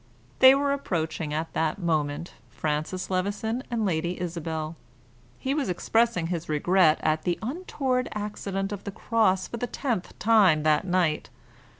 They were approaching at that moment, Francis Levison and Lady Isabel. He was expressing his regret at the untoward accident of the cross for the tenth time that night.